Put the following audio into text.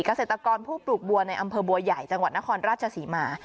เกษตรกรผู้ปลูกบัวในอำเภอบัวใหญ่จังหวัดนครราชศรีมา